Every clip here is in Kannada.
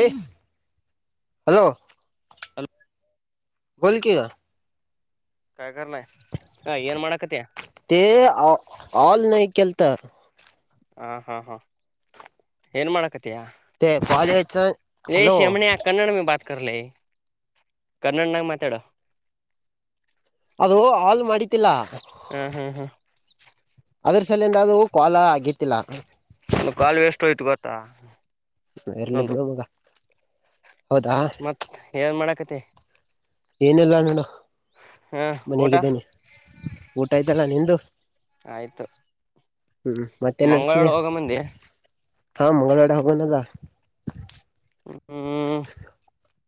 ಎ ಹಲೋ ಹಲ್ ಬೋಲ್ಕಿಯ ಕಾಯ್ ಕರ್ಣೆ ಹಾ ಏನ್ ಮಾಡ ತೆ ಅ ಆಲ್ ನೈ ಕೆಲ್ತ. ಹಾ ಹಾ ಹಾ ಎ ಸಿಮನ್ಯ ಕನ್ನಡ್ ಮೆ ಬಾತ್ ಕರ್ಲೆ ಕನ್ನಡನಾಗ ಮಾತಾಡ. ಅದು ಹಾಲ್ ಮಾಡಿತಿಲ್ಲ ಹ್ಮ್ ಹ್ಮ್ ಹ್ಮ್ ಅದ್ರ. ಸಲಿಂದ ಅದು ಕಾಲ್ ಆಗಿತ್ತಿಲ್ಲ. ತಾ ಎರ್ಲ್ಲಿ ಬಿಡು ಮಗ. ಹೌದಾ ಮತ್ ಏನ್ ಮಾಡಾಕತಿ ಏನಿಲ್ಲ ನೋಡು. ಹಾ ಊಟಾ ಮನೆಗಿದ್ದೇನೆ ಊಟ ಆಯ್ತಲ್ಲ ನಿಂದು. ಆಯ್ತು ಹ್ಮ್ ಮತ್ತೇನ್ ಮಂಗಳವಾರ ನಡ್ಸಿದ್ಯಾ. ಹೋಗ ಮಂದಿ ಹಾ ಮಂಗ್ಳವಾಡೆ ಹೋಗ್ಬಂದದ. ಹ್ಮ್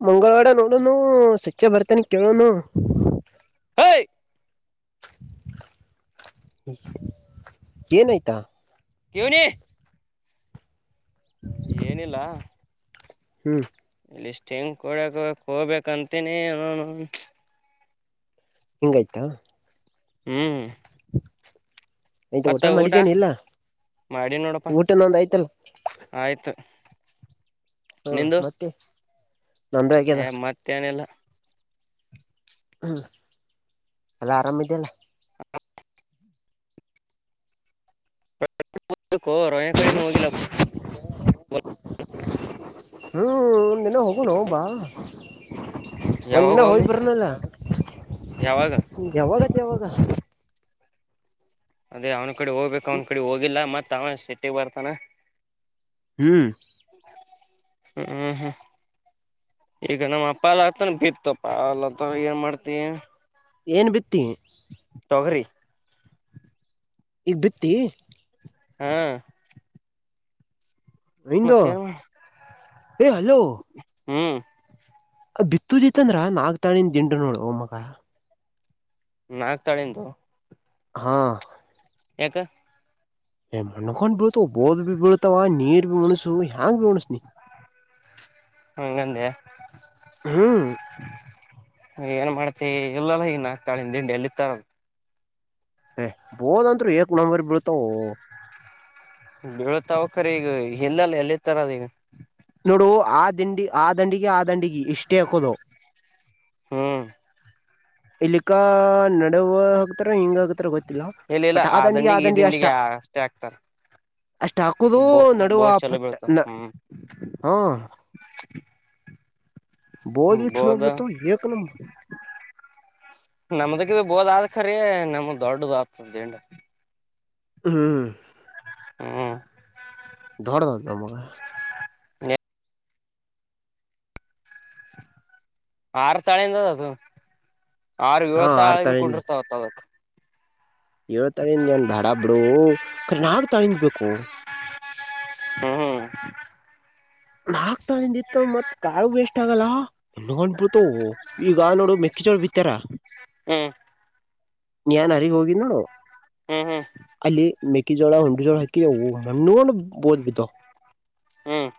ಮಂಗ್ಳವಾಡ ನೋಡೋನು ಸಚ್ ಬರ್ತನಿ ಕೇಳೋನು. ಅಯ್. ಏನೈಯ್ತ. ಕಿವ್ನಿ ಏನಿಲ್ಲ ಹ್ಮ್ ಲಿಷ್ಟ್ ಹೆಂಗ್ ಕೊಡಕ್ ಹೋಗ್ಬೇಕಂತೀನಿ ಅ ನ ನ. ಹಿಂಗ್ಯ್ತಾ. ಹ್ಮ್ [unintelligible] ಆಯ್ತಾ ಊಟ ಮಾಡಿದ್ದೇನ್ ಇಲ್ಲ ಮಾಡಿ ನೋಡಪ್ಪಾ ಊಟ ನೊಂದ್ ಆಯ್ತಲ್ಲ. ಆಯ್ತು ಹಾ ನಿಂದು ಮತ್ತೆ ನಂದು ಆಗ್ಯದ ಏ ಮತ್ತೇನಿಲ್ಲ ಹ್ಮ್ ಅಲ್ಲ ಆರಾಮಿದ್ಯಲ್ಲ. [unintelligible] ಕೊ ರೋಯ ಕಡೆನೂ ಹೋಗಿಲ್ಲ. [unintelligible] ಹ್ಮ್ ನೆಲ್ ಹೋಗೊಣು ಬಾ. ಒನ್ನ ಯಾವಾಗ ಒಮ್ಮಿ ಹೋಗಿದ್ಬರಣಲ್ಲ ಯಾವಾಗ ಯಾವಗ ಇದ್ ಯಾವಾಗ ಅದೇ ಅವ್ನ ಕಡೆ ಹೋಗ್ಬೇಕು ಅವ್ನ ಕಡೆ ಹೋಗಿಲ್ಲ ಮತ್ ಅವ ಸಿಟ್ಟಿಗ್ ಬರ್ತಾನ. ಹ್ಮ್ ಹ್ಮ್ ಹ್ಮ್ ಹ್ಮ್ ಈಗ ನಮ್ಮಪ್ಪಾಲ ಹತಾನ ಬಿತ್ತಪ್ಪಲ್ಂತ ಏನ್ ಮಾಡ್ತಿಯ. ಏನ್ ಬಿತ್ತಿ. ತೊಗ್ರಿ ಈಗ್ ಬಿತ್ತಿ ಹಾ ರೈನ್ದು ಮತ್ತೇನ್ ಎ ಹಲೋ. ಹ್ಮ್ ಅ ಬಿತ್ತುದಿತ್ತಂದ್ರ ನಾಗ್ ತಾಣನ್ ದಿಂಡು ನೋಡೊ ಮಗ. ನಾಕ್ ತಾಳೆಂದು. ಹಾ ಯಾಕ ಏ ಮಣಕೊಂಡ್ ಬೀಳ್ತವ ಬೋದ ಭ ಬೀಳ್ತಾವ ನೀರ್ ಭೀ ಮುಣಸು ಹೆಂಗ ಭೀ ಮುಣಸನಿ ಹೋ ಬಂದ್ಯಾ ಹ್ಮ್ ಏನ್ ಮಾಡ್ತಿ ಇಲ್ಲಲ್ಲ ಹನ್ ಆತಾಳನ್ ದ ತಿಂಡಿ ಎಲ್ಲಿತ್ತಾರ ಏ ಬೋದಂತ್ರು ಏಕ್ ನಂಬರ್ ಬೀಳತಾವ ಅವು ಬೀಳತಾವ ಕರೆ ಈಗ ಇಲ್ಲಲ್ಲ ಎಲ್ಲಿತರದ ಈಗ ನೋಡು ಆ ದಿಂಡಿ ಆ ದಂಡಿಗೆ ಆ ದಂಡಿಗೆ ಇಷ್ಟೇ ಹಾಕದ ನಾವು ಹ್ಮ್ ಇಲ್ಲಿಕ್ಕ ನಡವ ಹಕ್ತಾರ ಹಿಂಗ್ ಆಗ್ ತ್ರ ಗೊತ್ತಿಲ್ಲ ಇಲ್ಲ ಇಲ್ಲ ಬಟ್ ಆ ದಂಡಿ ಆ ದಂಡಿಗೆ ಈ ದಂಡಿ ಅಷ್ಟ. ದಿಂಡಿಗೆ ಅಷ್ಟೇ ಹಾಕ್ತಾರ ಅಷ್ಟ ಹಾಕುದೂ ಬೋ ನಡುವ ಬೋದ್ ಚಲೋ ಪಟ್ಟ ಬೀಳ್ತಾವ ನ ಹ್ಮ್ ಹಾ [inaudible] ಬೋದ್ ಬಿಟ್ಟು ಬೋದ ಹೋತ್ ಏಕನಂ ನಮ್ದಕ್ಕೆ ಬೋದ ಆದ್ ಖರಿ ನಮ ದೊಡ್ಡದು ಆಗ್ತದ ದಿಂಡ ಹ್ಮ್ ಹ್ಮ್ ದೊಡ್ಡದದ್ ನಮಗ ಆರ್ ತಳಿ ನ ಅದ ಆರ ಹಾ ಇವತ್ತು ಆರ್ ಆಲವ್ ತಾಳಿಂದ ಕುಂದಾರ್ತಾವ ಅಂತ ಅದಕ್ ಏಳ್ ತಾಳಿಂದ ಏನ್ ಬ್ಯಾಡ ಬಿಡು ಖರೆ ನಾಕ್ ತಾಳಿಂದ ಬೇಕು ಹ್ಮ್ ಹ್ಮ್ ನಾಕ್ ತಳಿಂದಿತ್ತು ಮತ್ ಕಾಳ್ ವೇಸ್ಟ್ ಆಗಲ್ಲೊಂಡ್ಬಿಡ್ತೋ ಈಗ ನೋಡು ಮೆಕ್ಕಚೋಳ ಬಿತ್ತ ತ್ತರ ಹ್ಮ್ ನಿ ಏನ ಅಲ್ಲಿಗ್ ಹೋಗಿದ್ದ ನೋಡು ಹ್ಮ್ ಹ್ಮ್ ಹ್ಮ್ ಅಲ್ಲಿ ಮೆಕ್ಕೆ ಜೋಳ ಹುಂಡು ಜೋಳ ಹಾಕಿ ಯ ಮುನು ಬೋದು ಬಿದ್ದವ ಹ್ಮ್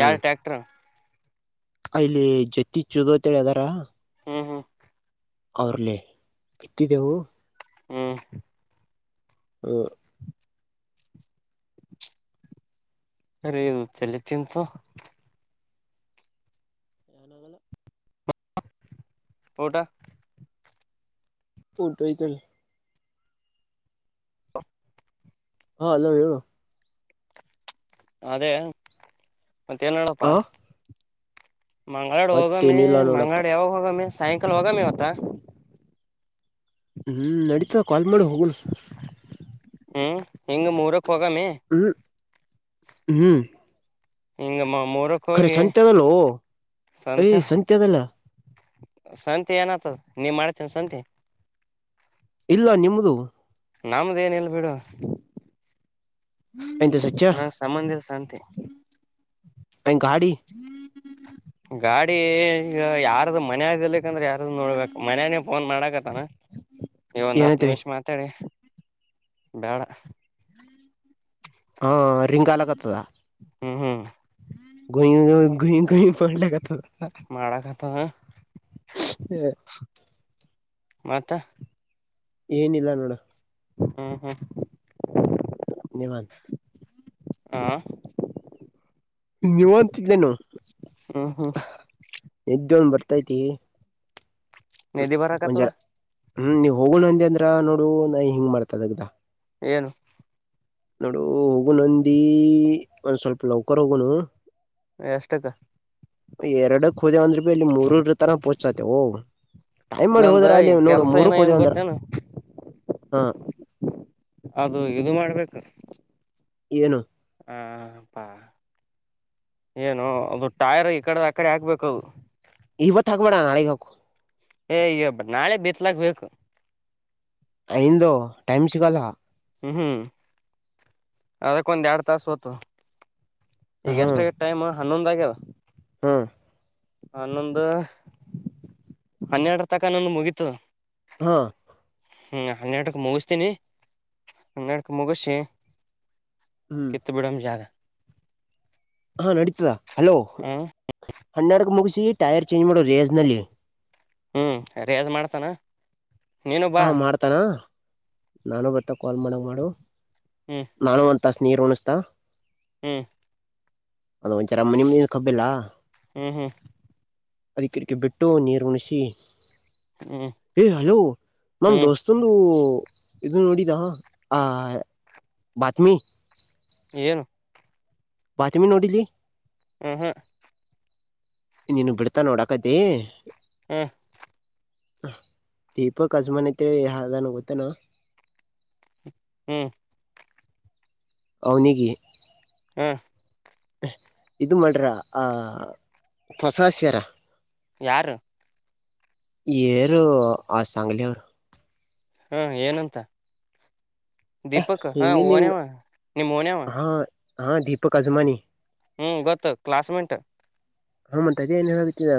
ಯಾರ ಟ್ಯಾಕ್ಟರ ಅಲ್ಲಿ ಜತ್ತ ಚದುಂತೇಳಿ ಅದಾರ ಹಾ ಹಾ ಅವರ್ಲೆೇ ಬಿತ್ತಿದ್ದೆವು ಹ್ಮ ಹ ಅರಿ ಇದು ತಲಿ ತಿಂತು ಏನಾಗಲ್ಲ ಊಟ ಊಟ ಐಯತಲ ಹಾ ಹಲೋ ಹೇಳು ಅದೇ ಮತ್ತೇನ್ಡಪ್ಪಾ ಆ ಮಂಗ್ಗಳಾಡು ಹೋಗ ಮಿ ಮತ್ತೇನಿಲ್ಲ ನೋಡಪ್ಪ ಮಂಗಡ್ ಯಾವಾಗ ಹೋಗ ಮಿ ಸಾಯಂಕಾಲ ಹೋಗಾಮಿ ಇವತ್ತ ಹ್ಞೂ ನಡೀತಾ ಕಾಲ್ ಮಾಡಿ ಹೋಗೋಣ ಹ್ಮ್ ಹಿಂಗ ಮೂರಕ್ ಹೋಗಾಮಿ ಹ್ಮ್ ಹ್ಮ್ ಹಿಂಗಮ್ಮ ಕರೆ ಸಂತೆದಲ್ಲೂ ಓ ಯ ಸಂತೆ ಸಂತೆದಲ್ಲ ಸಂತೆ ಏನ ಆತದ ನೀವ್ ಮಾಡ್ತೀನ ಸಂತಿ ಇಲ್ಲ ನಿಮ್ದು ನಮ್ದ ಏನಿಲ್ ಬಿಡು ಎಂತ ಸಚ್ಚ ನಂ ಸಂಬಂಧಿಲ ಸಂತಿ ಹಂಗ ಗಾಡಿ ಹ್ಮ್ ಹ್ಮ್ ಗಾಡಿ ಈಗ ಯಾರ್ದು ಮನೆಯಾಗಿರ್ಲಿ ಕಂದ್ರ ಯಾರ್ದ ನೋಡ್ಬೇಕ್ ಮನ್ಯನೇ ಫೋನ್ ಮಾಡಾಕತ್ತನಾ ಈ ಒಂದ್ ಹತ್ತು ಏನೈತ್ರಿ ನಿಮಿಷ ಮಾತಾಡಿ ಬ್ಯಾಡ ಹಾ ರಿಂಗಾಲಾಕತದ ಹ್ಮ್ ಹ್ಮ್ [unintelligible] ಪಡ್ಲ ಕಥ [inaudible] ಮಾಡಕತ್ತದ ಹ. ಮತ್ತ ಏನಿಲ್ಲ ನೋಡ ಹ್ಮ್ ಹ್ಮ್ ಧನ್ವಾದ ಆ ನೀವ ಅಂತಿದ್ಲೇನು ಹ್ಮ್ ಹ್ಮ್ ಎ ಒಂದ ಬರ್ತೈತಿ. ನಿದ್ದಿ ಬರಕಥವ ಒಂಜರ ಹ್ಮ್ ನೀವ್ ಹೋಗೋಣ ಅಂದಿ ಅಂದ್ರ ನೋಡು ನ ಹಿಂಗ್ ಮಾಡ್ತದಗ್ದ ಏನು ನೋಡು ಹೋಗ ನಂದಿ ಒಂದ್ ಸ್ವಲ್ಪ ಲೌಕರ್ ಹೋಗುನು. ಎಷ್ಟಕ್ಕ. ಎರಡಕ್ ಹೋದೆವಂದ್ರ ಬಿ ಅಲ್ಲಿ ಮೂರೂರ ತರ ಪೋಚ್ಸಾತೆ. ಟೈಮ್ ಮಾಡಿ ನಂದ ಹೋದ್ರ ಅಲ್ಲಿ ನೋಡು ಕೆಲ್ಸ ಏನ ಮೂರಕ್ ಏನ್ ಹೋದೆೇವಂದ್ರ ಗೊತ್ತೇನು ಹಾ. ಅದು ಇದು ಮಾಡ್ಬೇಕು. ಏನು [inaudible] ಹಾಪ್ಪಾ ಏನು ಅದು ಟೈರ್ ಈ ಕಡೆದ ಆಕಡೆ ಹಾಕ್ಬೇಕದು. ಇವತ್ ಹಾಕೋಣ ನಾಳಗ್ ಹಾಕು. ಏ ಇಬ ನಾಳೆ ಬಿತ್ಲಕ್ಬೇಕು. ಇಂದು ಟೈಮ್ ಸಿಗಲ್ಲ. ಹ್ಮ್ ಹ್ಮ್ ಅದಕ್ಕಂದು ಏಡು ತಾಸ ಹತ. ಈಗ ಹಾ ಎಷ್ಟ ಆಗ ಟೈಮ್ ಹನ್ನೊಂದ ಆಗ್ಯದ. ಹಾ ಹನ್ನೊಂದು ಹನ್ನೆರಡರ ತಕನ್ನೊಂದು ಮುಗೀತದ. ಹಾ ಹ್ಮ್ ಹನ್ನೆರಡುಕ್ಕೆ ಮುಗಿಸತೀನಿ ಹನ್ನೆರಡುಕ ಮುಗಸಿ. ಹ್ಮ್ ಕತ್ತು ಬಡಾಮ ಜ. ಹಾ ನಡೀತದ ಹಲೋ ಹ ಹಣಡ್ಕ್ ಮುಗಿಸಿ ಟೈರ್ ಚೇಂಜ್ ಮಾಡೋ ರೇಜ ನಲ್ಲಿ. ಹ್ಮ್ ರೇಜ್ ಮಾಡ್ತಾನ. ನೀನು ಬಾ ಹಾ ಮಾಡ್ತಾನ ನಾನು ಬರ್ತ ಕಾಲ್ ಮಾಡಕ್ ಮಾಡು ಹ್ಮ್ ನಾನು ಒ. ತಾಸ ನೀರು ಹನುಸತಾ. ಹ್ಮ್ ಅದ ಒಂದಚರ ಮನೆ ಮನ ಕಬ್ಬೆಲ್ಲಾ. ಹ್ಮ್ ಹ್ಮ್ ಅದ ಕಿಕ ಬಿಟ್ಟು ನೀರು ಉಣಿಸಿ ಹ್ಮ್ ಹಲೋ. ಮಮ್ಮ ಹ್ಮ್ ದೋಸ್ತಗಳು. ಇ ಡಿದ ಆ ಬತ್ಮಿ. ಏನು ಬಾತಮಿ ನೋಡಿಲಿ ಹ ಹಾ ನೀನು ಬಿಡ್ತಾ ನೋಡಾಕತಿ. ಹ್ಮ ಹ ದೀಪಕ್ ಅಜಮಾನ್ ಐತೆ ಯದನ್ ಗೊತ್ತನಾ. ಹ್ಮ್ ಅವನಗೆ ಹ್ಮ್. ಇದು ಮಾಡ್ರ ಆ ಹೊಸಾಸ್ಯಾರ. ಯಾರು ಯರ ಆ ಚಂಗಲಿ ಅವ. ಹಾ ಏನಂತ ದೀಪಕ್ ಹಾ ಹಿಂಗಿಂದ ಹಿಂಗ ಓನವ ನಿಮ್ಮ್ ಓನವ. ಹಾ ಹಾ ದೀಪಕ್ ಅಜಮಾನಿ ಹ್ಮ್ ಗೊತ್ತು ಕ್ಲಾಸ್ಮೆಂಟ್ ಹ ಮ ಇದ ಏನ್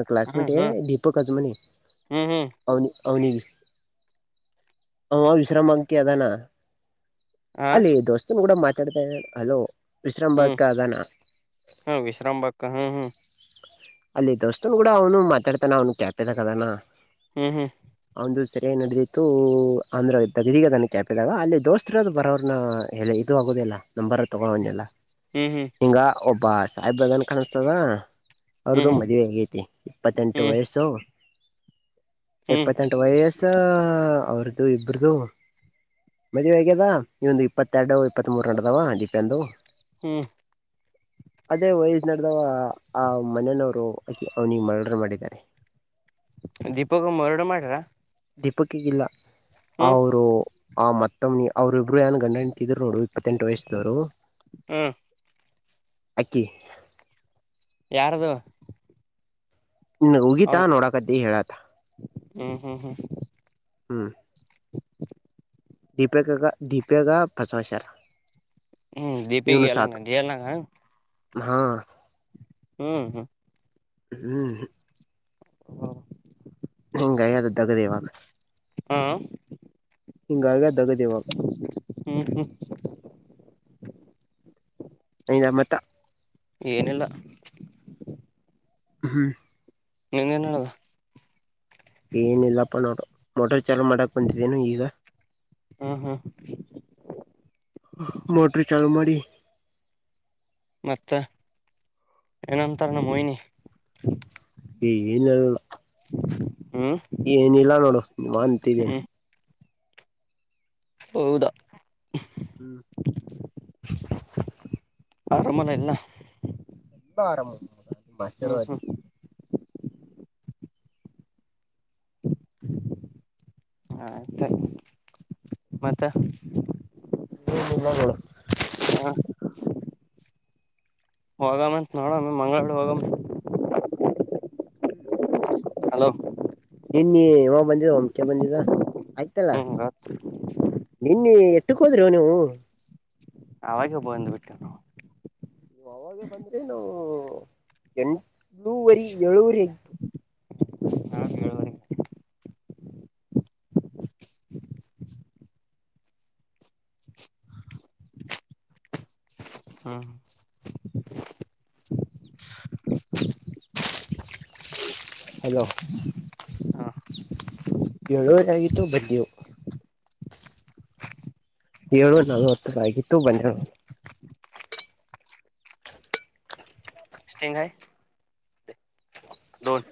ಕ್ಲಾಸ್ಮೇಟ್ ಹ್ಮ್ ದೀಪಕ್ ಅಜ್ಮನಿ ಹ್ಮ್ ಹ್ಮ್ ಅವನಿ ಅವನ ಅವ ವಿಶ್ರಾಮಕ್ಕೆ ಅದಾನ ಹಾ ಅಲ್ಲಿ ದೋಸ್ತನು ಕೂಡ ಮಾತಾಡ್ತಾ ಇದ ಅಲೋ ಹ್ಮ್ ವಿಶ್ರಾಮಭಕ್ಕದಾನ ಕಾ ಹ ಅಲ್ಲಿ ದೋಸ್ತನ್ ಕೂಡ ಅವನು ಮಾತಾಡ್ತಾನ ಅವನು ಕ್ಯಾಪದ ಕದಾನ ಹ್ಮ್ ಹ್ಮ್ ಒಂದು ಸೆರೆ ನಡೆದಿತ್ತು ಆಂಧ್ರ ಇದ್ದಾಗ ಇದೀಗ ನನ್ನ ಕ್ಯಾಪ್ದಾಗ ಅಲ್ಲಿ ದೋಸ್ತರ ಬರೋರ್ನ ಎಲೆ ಇತ್ತು ಅ ಆಗುದಿಲ್ಲಲ್ಲ ನಂಬರ್ ತೊಗೊಂಡನ್ನಲ್ಲ ಹ್ಮ್ ಹ್ಮ್ ಹ್ಮ್ ಹಿಂಗಗೆ ಒಬ್ಬ ಸಾಹಿಬಬಗನ್ ಕಾಣಿಸ್ತದ ಅವ್ರ್ದು ಮದುವೆ ಆಗೈತಿ ಇಪ್ಪತ್ತೆಂಟು ಹ್ಮ್ ವಯಸ್ಸು ಹ್ಮ್ ಹ್ಮ್ ಇಪ್ಪತ್ತೆಂಟು ವಯಸ್ಸ ಅವ್ರದುು ಇಬ್ರದು ಮದ್ೆ ಹೇಗ್ಯದ ಇವ ಒಂದು ಇಪ್ಪತ್ತೆರಡು ಇಪ್ಪತ್ ಮೂರ್ ನಡದಾವ ದೀಪೆಂದು ಹ್ಮ್ ಅದೇ ವಯಸ್ ನಡದ ಆ ಅವನಿಗೆ ಮರ್ಡರ್ ಮಾಡಿದ್ದಾರೆ ದೀಪಕ್ರಡ ಮಾಡಾರಾ ದೀಪಕ್ಕಿಗಿಲ್ಲ ಅವರು ಆ ಮತ್ತೊಮ್ಮೆ ಅವರು ಇರು ಏನ್ ಗಂಡಂತಿದ್ರು ನೋಡು ಇಪ್ಪತ್ತೆಂಟು ವಯಸ್ಸದವರು ಹ್ಮ್ ಅಕ್ಕಿ ಯಾರ್ದು ಹಗೀಿತ ಅವನು ನೋಡಕತ್ತಿ ಹೇಳತ ಹ್ಮ್ ಹ್ಮ ಹ್ಮ್ ಹ್ಮ ದೀಪಿಕಾಗ ದೀಪಿಕ ಬಸವಷರ ಹ್ಮ್ ದೀಪಿಕಿ ಎಲ್ಲಂಗ ಜ ಎಲ್ಲಂಗ ಹಾ ಹ್ಮ್ ಹ್ಮ್ ಹ್ಮ್ ಹ ಹಂಗಯದು ದಗದೇವಾಗ ಹಾ ಹಿಂಗಗ ದಗದ ಇವಾಗ ಹ್ಮ್ ಹ್ಮ್ ಇವಾಗ ಮತ್ತ ಏನಿಲ್ಲ ಹ್ಮ್ ಹೆಂಗೇಏನಡಲ್ಲ ಏನಿಲ್ಲಪ್ಪ ನೋಡು ಮೋಟಾರ್ ಚಾಲೂ ಮಾಡಕ್ ಬಂದಿದ್ದೇನು ಈಗ ಹ್ಮ್ ಹ್ಮ್ ಮೋಟರ್ ಚಾಲೂ ಮಾಡಿ ಮತ್ತ ಏನಂತಾರೆ ನ ಮಹನಿ ಈನ್ ಹ್ಮ್ ಏನಿಲ್ಲ ನೋಡು ನೀ ಅಂತಿದ್ದೀನ್ ಹ್ಮ್ ಹೌದಾ ಹ್ಮ್ ಅರಮನ ಇಲ್ಲ ಆಾರ ಮಹದ ಹ್ಮ್ ಹ್ಮ್ [unintelligible] ಆಯ್ತ್ ಮತ್ತೆ ಹಗಳು ಹಾ ಹೋಗಮ್ಮಂತ ನೋಡಮ ಮಂಗಗಳ ಹೋಗಮ್ಮ ಹ್ಮ್ ಹಲೋ ನಿನ್ನ ಇವಾಗ ಬಂದಿದ ಒಮ್ಚೆ ಬಂದಿದ ಆಯ್ತಲ್ಲ ಹ್ಮ್ ನಿನ್ನ ಎಟ್ಟಕ್ ಹೋದ್ರ ನೀವು ಾಗ ಒಬ್ಬ ಬಂದು ಬಿಟ್ಟು ನಾವು ಅವಾಗ ಬಂದ್ರೆ ನಾವು ಎಂಟಳೂವರಿ ಏಳುವರಿ ಆಯತು ನಾನ್ ಏಳುವರೆಗೆ ಹಾ ಹಲೋ ಹ ಏಳುವರೆ ಆಗತು ಬಡ್ಿಯು ಏಳು ನಲ್ವತ್ತು ಆಗಿತ್ತು ಬಂದ್ರ ಸ್ಟೇಂಗಾಯ ದೊನ್